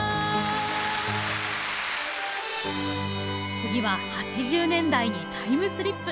次は８０年代にタイムスリップ！